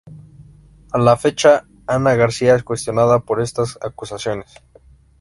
A la fecha Ana García es cuestionada por estas acusaciones.